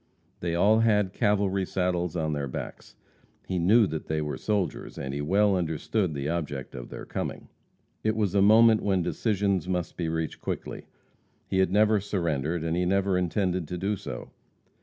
They all had cavalry saddles on their backs. He knew that they were soldiers, and he well understood the object of their coming. It was a moment when decisions must be reached quickly. He had never surrendered, and he never intended to do so.